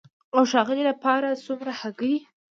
او د ښاغلي لپاره څومره هګۍ؟